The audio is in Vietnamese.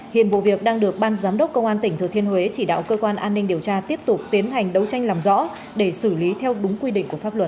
hiện vụ việc đang được ban giám đốc công an tỉnh thừa thiên huế chỉ đạo cơ quan an ninh điều tra tiếp tục tiến hành đấu tranh làm rõ để xử lý theo đúng quy định của pháp luật